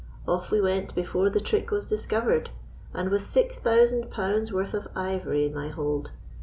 Off we went before the trick was discovered, and with six thousand pounds' worth of ivory in my hold.